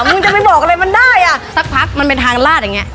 มึงจะไปบอกอะไรมันได้อ่ะสักพักมันเป็นทางลาดอย่างเงี้